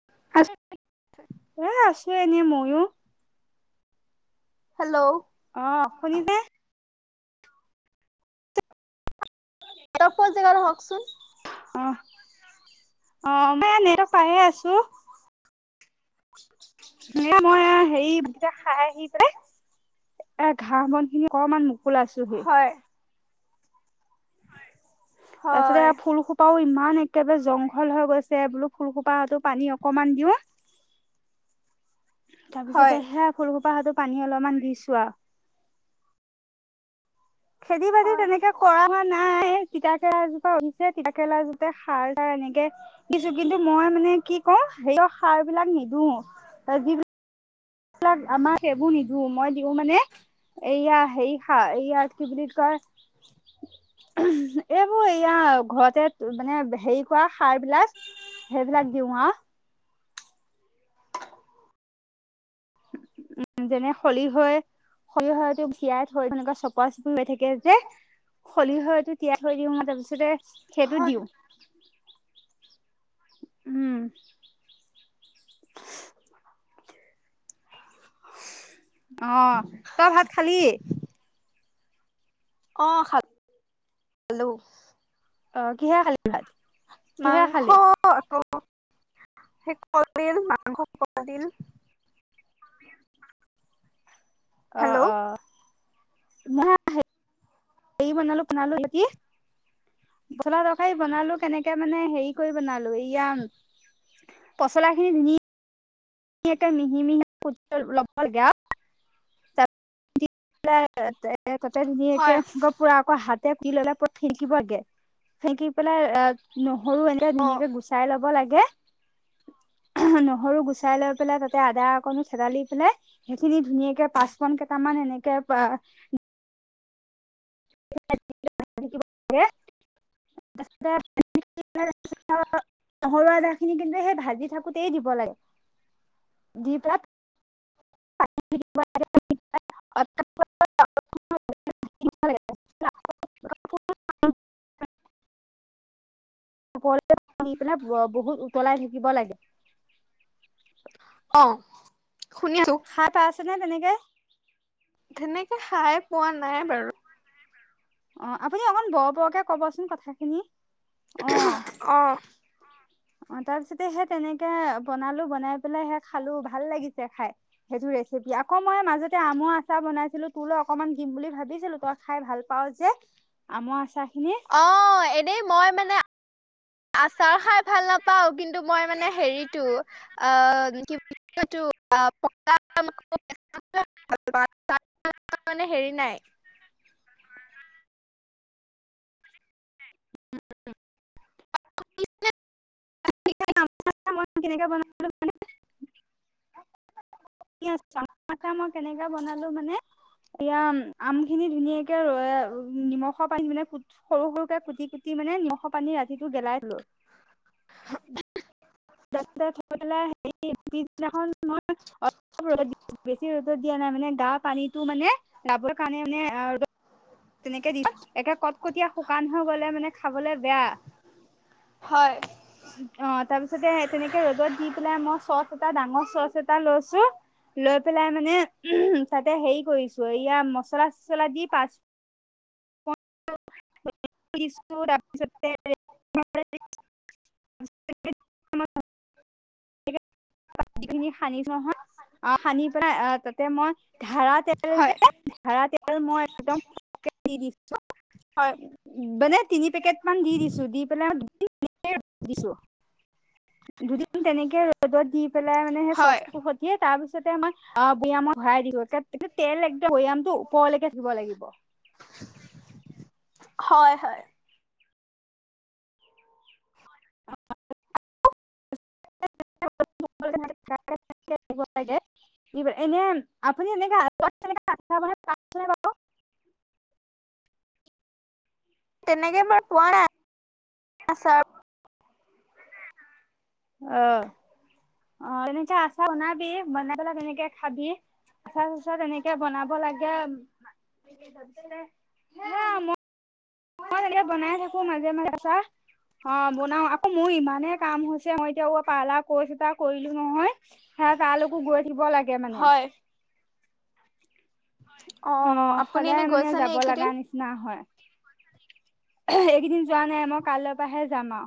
[unintelligible] এ আছো এনে ময়ো হেল্ল' অ শুনিছে এনেকোৱা জেগা হওকচোন অ অ মই নেটৱৰ্ক পাইয়ে আছো মই মই হেৰি ভাত কিটা খাই আহি পেলাই এ ঘাঁহ বন খিনি অকমান মোৰ শুই [unintelligible] আছোহি হয়, তাৰ পিছতে হয়, ফুলসোপাও ইমান একেবাৰে জংঘল হৈ গৈছে বোলো ফুলসোপাহতো পানী অকমান দিও হয়। তাৰপিছতে সেয়া ফুল হোপা হাতত পানী অলমান দিছো অহ খেতি বাতি হয়, তেনেকে কৰা হোৱা নাই তিতাকেৰেলা জোপা উঠিছে তিতাকেৰেলা জোতে সাৰ তাৰ এনেকে দিছোঁ কিন্তু মই মানে কি কও সেইয় সাৰ বিলাক নিদও যিবিলাক এইবিলাক আমাক সেইবোৰ নিদু মই। দিওঁ মানে এইয়া হেৰি সাৰ এইয়াত কি বুলি কয় এইবোৰ এয়া ঘৰতে মানে হেৰি কৰা সাৰ বিলাক সেইবিলাক দিওঁ আহ উম [inaudible] উম যেনে সলিহৈ সলিহটো তিয়াই থৈ তেনেকুৱা চপা চপি হৈ থাকে যে সলিহটো তিয়াই থৈ দিও তাৰপিছতে সেইটো হয়। দিওঁ। উম অ তই ভাত খালি। অ খালোঁ খালোঁ। অ কিহে খালী। মাংস। স কলডিল মাংস কলডিল। অহ হেল্ল' অহ। নহয় হেৰি হেয়ি বনালো বনালো কি পচলা তৰকাৰি বনালো কেনেকে মানে হেৰি কৰি বনালো। বিয়াম পচলা খিনি নি। ধুনিয়াকে মিহি মিহি [unintelligible] লাগে তাতে ধুনীয়াকে হয়। পুৰা আকৌ হাত কি ল'লে থেকিবগে ফেকি পেলাই নহ সৰু এনেকে অ', ধুনীয়াকে গুচাই ল'ব লাগে। নহৰু গুচাই লৈ পেলাই তাতে আদা অকনো থেদালি পেলাই সেইখিনি ধুনীয়াকে পাঁচপূৰণ কেইটামান এনেক। তা পা [unintelligible] নহৰু আদা খিনি কিন্তু সেই ভাজি থাকোতেই দিব লাগে দি পেলায়। [unintelligible] বহুত উতলাই থাকিব লাগে। অ শুনি আছোঁ পাইছনে তেনেকে। তেনেকে খাই পোৱা নাই বাৰু। অ আপুনি অকন বৰ বৰকে কবচোন কথাখিনি। অ অহ অ তাৰ পিছতে সেই তেনেকে বনালো। বনাই পেলাই সে খালোঁ ভাল লাগিছে খাই। সেইটো ৰেচিপি আকৌ মই মাজতে আম আচাৰ বনাইছিলোঁ। তোৰ ল অকমান দিম বুলি ভাবি ভাবিছিলোঁ তই খাই ভাল পাওঁ যে। যে আমৰ আছা খিনি অ এনেই মই মানে আচাৰ খাই ভাল নাপাওঁ কিন্তু কিন্তু মই মানে হেৰিতটো আহ কি বুলি হেৰি নাই [unintelligible] এতিয়া নামতো কেনেকে [unintelligible] মাচা মই কেনেকে বনালো মানে এয়া আম খিনি ধুনীয়াকে ৰ নিমখৰ পানী মানে কু সৰু সৰুকে কুটি কুটি মানে নিমখৰ পানী ৰাতিটো গেলাই থলো। থৈ পেলাই পিছ দিনাখন মই অলপ ৰ' বেছি ৰ'দত দিয়া নাই মানে গা পানীটো মানে যাবৰ কাৰণে মানে ৰ' তেনেকে দি একে কটকটীয়া শুকান হৈ গ'লে মানে খাবলে বেয়া। হয়, অ তাৰ পিছতে তেনেকে ৰ'দত দি পেলাই মই চচ এটা ডাঙৰ চচ এটা লৈছো লৈ পেলাই মানে উ তাতে হেৰি কৰিছোঁ এয়া মচলা চচলা দি পাচঁ পূৰণ তাৰপিছতে ধুনীয়াকৈ সানিছো নহয় আহ সানি পেলাই আহ তাতে মই ধাৰা তেলৰে হয়, ধাৰা তেল মই একদম হয়, মানে তিনি পেকেট মান দি দিছো। দি পেলাই দিছো দুদিন তেনেকে ৰদত দি পেলাই মানে সেই হয়। চচটো সটিয়ে তাৰ পিছতে আমাক বৈয়ামত ভৰাই দি গল তেল একদম বৈয়ামটো ওপৰলৈকে থাকিব লাগিব। হয় হয়। [unintelligible] তেনেকে মই পোৱা নাই আচাৰ। অ অ এনেকে আছা বনাবি বনাই পেলাই তেনেকে খাবি। আচাৰ চাচাৰ তেনেকে বনাব লাগে হে আৰু মই মই তেনে বনাই থাকো মাজে মাজে অ বনাও আকৌ মোৰ ইমানে কাম হৈছে মই এতিয়া পাৰ্লাৰ কৰ্চ এটা কৰিলো নহয় সে তালোকো গৈ থাকিব লাগে মানে হয়। অ আপুনি এনে সদায় মানে গৈছেনে যাব লগা এইকেইদিন? নিচিনা হয়। এইকেইদিন যোৱা নাই মই কাইৰ পৰাহে যাম আও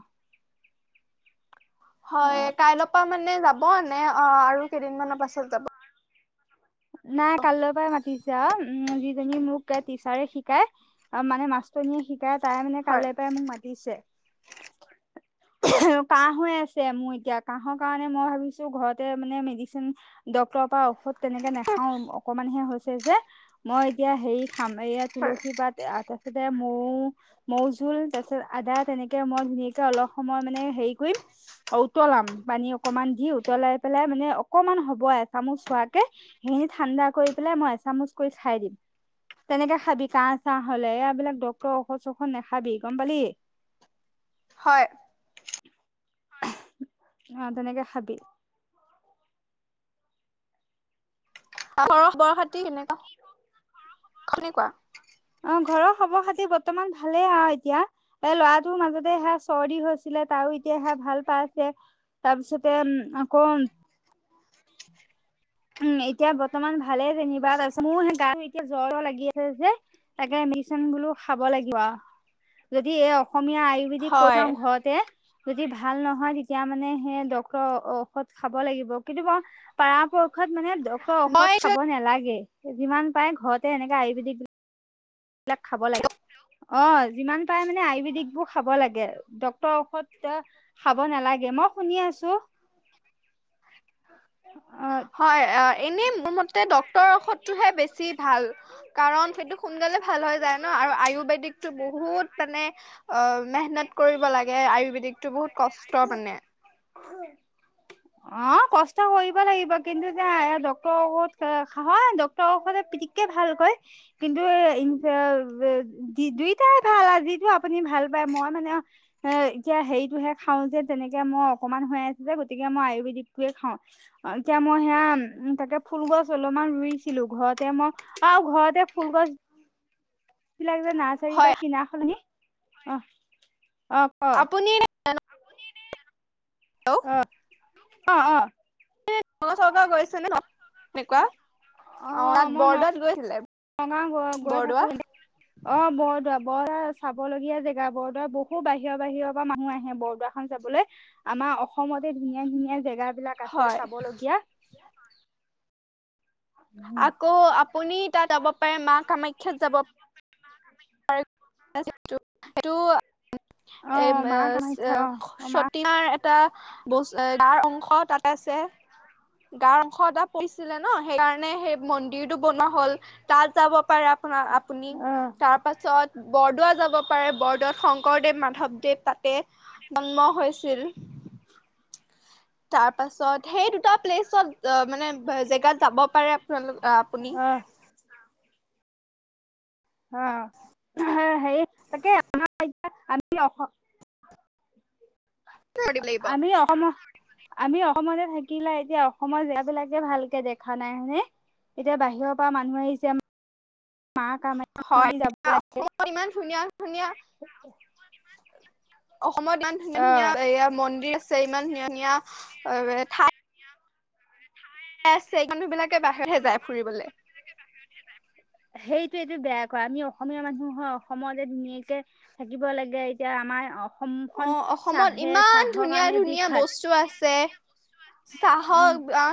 হয় কাইলৈৰ পৰা মানে যাব হব নে অ আৰু কেইদিনমানানৰ পাছত যাব? নাই কাললৈ পৰা মাতিছে আও উ। সি মোক এ টিচাৰে শিকাই মানে মাষ্টোনিযে তাই মানে হয়, কালিৰ পৰাই মোক মাতিছে। কাহ হৈ আছে মোৰ এতিয়া কাহৰ কাৰণে মই ভাবিছো ঘৰতে মানে মেডিচিন ডাক্তৰৰ পৰা ঔষধ তেনেকে নে যে মই এতিয়া হেৰি খাম এয়া হয়। তুলসী পাত আদা তে মৌ তাৰপিছত মৌ মৌ জোল তাৰপিছত আদা তেনেকে মই ধুনীয়াকে অলপ সময় মানে হেৰি কৰিম উতলাম পানী অকমান দি উতলাই পেলাই মানে অকমান হ'ব এচামুচ হোৱাকে। সেইখিনি ঠাণ্ডা কৰি পেলাই মই এচামুচ কৰি খাই দিম তেনেকে খাবি কাহ চাহ হলে এইবিলাক ডাক্তৰৰ ঔষধ চৈষধ নাখাবি, গম পালি? হয়। আহ তেনেকে খাবি। অহ বৰহাত কি তেনেকা কেনেকুৱা? অ ঘৰৰ খবৰ খাতি বৰ্তমান ভালেই আৰু এতিয়া এই ল'ৰাটোৰ মাজতে সে চৰ্দি হৈছিলে তাৰো এতিয়া সেয়াত ভাল পাইছে তাৰ পিছতে আকৌ উম এতিয়া বত বৰ্তমান ভালে থাকিবা তাৰ পিছত মোৰ গা বিষ জ্বৰ লাগি আছে যে তাকে মিশন বলো খাব লাগিব আ যদি এই অসু অসমীয়া আয়ুৰ্বেদিক কৈ হয়, চাওঁ ঘৰতে। যদি ভাল নহয় তেতিয়া মানে সেই ডক্টৰৰ ঔষধ খাব লাগিব, কিন্তু ব পাৰা। ঔষধ মানে ডক্টৰৰ মই ঔষধ খাব নালাগে। যিমান পাই ঘৰতে এনেকে আয়ুৰ্বেদিক। এইবিলাক খাব লাগে। অ যিমান পাৰে মানে আয়ুৰ্বেদিক বোৰ খাব লাগে, ডক্তৰৰ ঔষধ খাব নালাগে, মই শুনি আছো। অ হয়! এনে মোৰ মতে ডক তাৰ ঔষধটোহে বেছি ভাল কাৰণ সেইটো সোনকালে ভাল হৈ যায় ন আৰু আয়ুৰ্বেদিক। বহুত মানে অ। মেহনত কৰিব লাগে আয়ুৰ্বেদিকতটো বহুত কষ্ট মানে। অ কষ্ট কৰিব লাগিব কিন্তু ডক্তৰৰ ঔষধ‌, হয় ডক্তৰৰ ঔষধে পিতিককে ভাল কৰে, কিন্তু দুইটাই ভাল যিটো আপুনি ভাল পায় মই। মানে এ এতিয়া হেৰিতটোহে খাওঁ যে তেনেকে মই অকনমান হৈ আছো যে গতিকে মই আয়ুৰ্বেদিকটয়ে খাওঁ জল এতিয়া মই সেয়া উ তাকে ফুল গছ অলপমান ৰুইছিলো ঘৰতে মই আৰু ঘৰতে ফুল গছ। ফুলবিলাক যে নাৰ্চাৰী বা হয়, কিনা সলনি। আহ। আপুনি। হেল্লো। অ অ। এই গৰু চৰাবলৈ গৈছিলো ন এনেকুৱা। অ তাত মই ন বৰদোৱাত গৈছিলে নগাঁও গ গৈ বৰদোৱা থাকো অ বৰদোৱাত বৰদোৱা চাব লগীয়া জেগা, বৰদোৱাত বহুত বাহিৰৰ বাহিৰৰ পৰা মানুহ আহে বৰদোৱা খন চাবলৈ, আমাৰ অসমতে ধুনীয়া ধুনীয়া জেগা। বিলাক আছে হয় চাবলগীয়া। আকৌ আপুনি তাত যাব পাৰে মা কামাখ্যা। খ্যাত যাব। [unintelligible] [unintelligible] সেইটো। অ এই ম মা চ কামাখ্যা অ মা চতিয়াৰ এটা ব, গাৰ অংশ তাত আছে। গাৰ অংশ এটা পৰিছিলে ন সেইকাৰণে সেই মন্দিৰটো বনোৱা হল তাত যাব। যাব পাৰে আপুনা আপুনি অ তাৰ পাছত বৰদোৱা যাব। পাৰে বৰদোৱাত শংকৰদেৱ, মাধৱদেৱ তাতে জন্ম হৈছিল তাৰ পাছত সেই দুটা। প্লেচত অ মানে জেগাত যাব পাৰে। আপোনালোক আপুনি। অ অ সেই তাকে আমাৰ আমি। লাগিব আমি অসমৰ। আমি অসমতে থাকিলা এতিয়া অসমৰ জেগাবিলাকে ভালকে দেখা নাই হে, এতিয়া বাহিৰৰ পৰা মানুহ আহিছে। মা কামাখ্যাৰ হয় মন্দিৰৰ এতিয়া যাব লাগে। অসমত ইমান ধুনীয়া ধুনীয়া অসমত ইমান ধুনীয়া ধুনীয়া অ এয়া মন্দিৰ আছে। আছে ইমান ধুনীয়া ধুনীয়া ঠাই। আছে এই মানুহ বিলাকে বাহিৰতহে যায় ফুৰিবলে সেইটোৱেতো বেয়া কৰে আমি অসমীয়া মানুহ হয় অসমতে ধুনীয়াকে থাকিব লাগে এতিয়া আমাৰ অ অসমখন অসমত চাহে ইমান চাহৰ ধুনীয়া কাৰণে ধুনীয়া বিখ্যাত বস্তু আছে উম চাহৰ আহ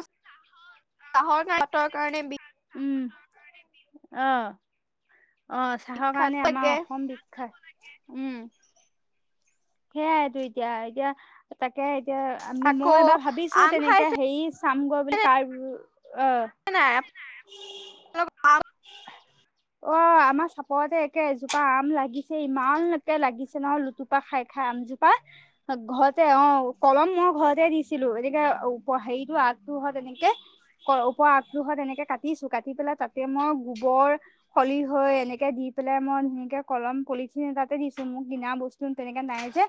চাহৰ পাতৰ কাৰণে বি উম আহ অঁ চাহৰ বিখ্যাত কাৰণে আমাৰ থাকে অসম বিখ্যাত। উম। সেয়াইটো এতিয়া এতিয়া তাক, তাকে এতিয়া আমি মই আকৌ এবাৰ ভাবিছো আম তেনেকে খাইছে হেৰি, চামগৰ বুলি কাৰবোৰ [unintelligible] নাই। অ আমাৰ চাপৰতে একে এজোপা আম লাগিছে ইমানকে লাগিছে নহ লুতুপা খাই। খা আমজোপা ঘৰতে অ কলম মই ঘৰতে দিছিলো গতিকে অ হেৰিটো আগ। অঁ তে এনেকে ওপ আগটোহত তে এনেকে কাটিছো কাটি পেলাই তাত, এতিয়া মই গোবৰ খলি হৈ এনেকে দি পেলাই মই ধুনিয়াকে কলম পলিথিন এটাতে দিছো মোক কিনা বস্তু তেনেক, নাই যে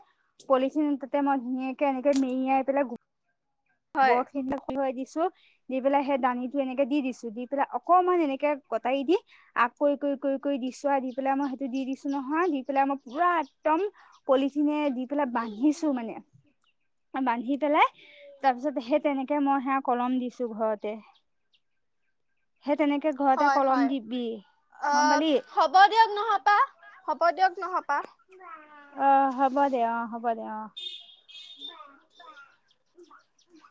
পলিথিন তাতে মই ধুনীয়াকে এনেকে মেৰিয়াই পেলাই। হয় [unintelligible] ছো দি পেলাই সেই দানিটো এনেকে দি দিছো দি পেলাই অকমান এনেকে কটাৰি দি আগ কৰি কৰি কৰি কৰি দিছো আৰু দি পেলাই মই সেইটো দি দিছো নহয় দি পেলাই মই পুৰা একদম পলিথিনে দি পেলাই বান্ধিছো মানে বান্ধি পেলাই। তাৰ পিছত সেই তেনেকে মই সেয়া কলম দিছো ঘৰতে। সেই তেনেকে ঘৰতে হয় কলম হয় দিবি গম পালি হ'ব দিয়ক নহ আপা হ'ব দিয়ক। নহপা অ হ'ব দে অ হ'ব দে অ। বা। উম।